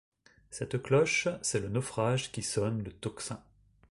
Cette cloche, c’est le naufrage qui sonne le tocsin.